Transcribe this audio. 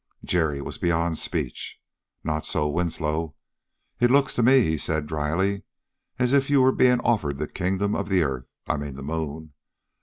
Jerry was beyond speech. Not so Winslow. "It looks to me," he said dryly, "as if you were being offered the kingdom of the earth I mean the moon.